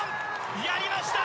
やりました！